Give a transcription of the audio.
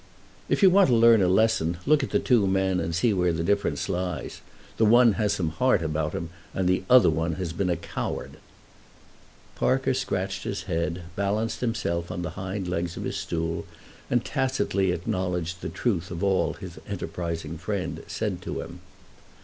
"If you want to learn a lesson look at the two men, and see where the difference lies. The one has had some heart about him, and the other has been a coward." Parker scratched his head, balanced himself on the hind legs of his stool, and tacitly acknowledged the truth of all that his enterprising friend said to him.